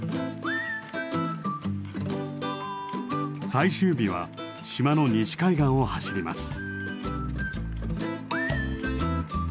最終日は島の西海岸を走ります。